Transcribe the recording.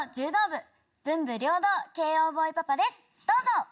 どうぞ！